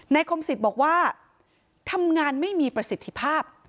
คมสิทธิ์บอกว่าทำงานไม่มีประสิทธิภาพ